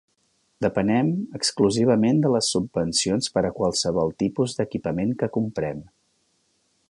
Depenem exclusivament de les subvencions per a qualsevol tipus d'equipament que comprem.